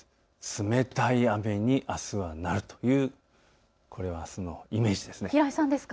冷たい雨にあすはなるというこれはあすのイメージです。